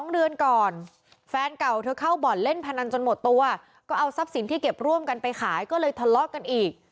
๒เดือนก่อนแฟนเก่าเธอเข้าบ่อนเล่นพนันจนหมดตัวก็เอาทรัพย์สินที่เก็บร่วมกันไปขายก็เลยทะเลาะกันอีก